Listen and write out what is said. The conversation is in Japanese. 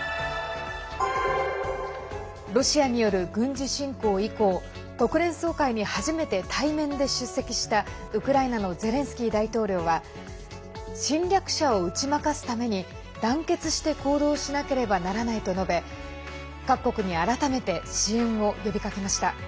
ロシアによる軍事侵攻以降国連総会に初めて対面で出席したウクライナのゼレンスキー大統領は侵略者を打ち負かすために団結して行動しなければならないと述べ各国に改めて支援を呼びかけました。